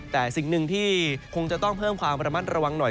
แต่สิ่งหนึ่งที่คงจะต้องเพิ่มความระมัดระวังหน่อย